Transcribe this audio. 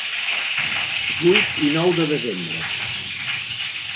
Vuit i nou de desembre.